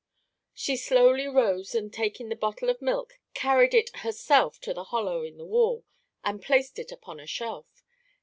She slowly rose and taking the bottle of milk carried it herself to the hollow in the wall and placed it upon a shelf.